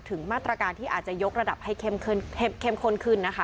ถึงมาตรการที่อาจจะยกระดับให้เข้มข้นขึ้นนะคะ